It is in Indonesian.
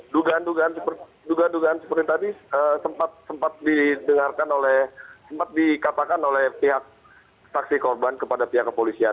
dugaan dugaan seperti tadi sempat dikatakan oleh pihak saksi korban kepada pihak kepolisian